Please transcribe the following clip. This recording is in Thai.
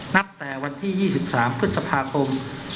นับแต่วันที่๒๓พฤษภาคม๒๕๖